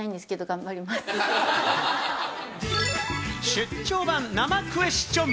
出張版生クエスチョン！